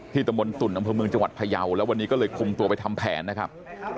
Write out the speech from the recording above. ตะมนตุ่นอำเภอเมืองจังหวัดพยาวแล้ววันนี้ก็เลยคุมตัวไปทำแผนนะครับ